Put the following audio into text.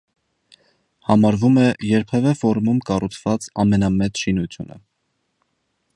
Համարվում է երբևէ ֆորումում կառուցված ամենամեծ շինությունը։